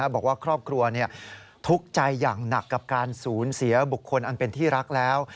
บอกว่าครอบครัวทุกข์ใจอย่างหนักกับการสูญเสียบุคคลอันเป็นที่รักแล้ว